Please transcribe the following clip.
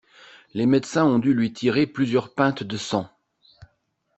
Les médecins ont dû lui tirer plusieurs pintes de sang.